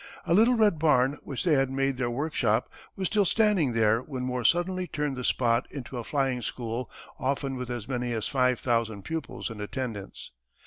A little red barn which they had made their workshop was still standing there when war suddenly turned the spot into a flying school often with as many as five thousand pupils in attendance.